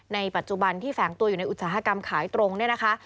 ในปัจจุบันที่แฝงตัวอยู่ในอุตสาหกรรมขายตรงเนี่ยนะคะ